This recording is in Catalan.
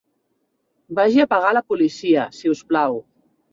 Vagi a pagar a la policia, si us plau.